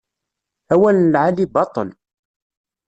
Awal n lεali baṭel.